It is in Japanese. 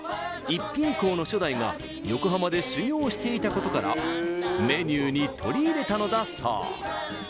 一品香の初代が横浜で修業していたことからメニューに取り入れたのだそう